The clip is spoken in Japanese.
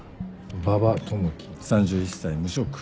馬場智樹３１歳無職。